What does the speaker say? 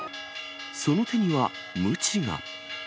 その手には、むちが。